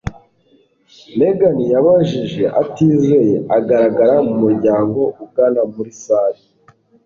Megan yabajije atizeye, agaragara mu muryango ugana muri salle.